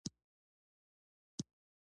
د میرمنو کار د کورنۍ خوښۍ زیاتوي.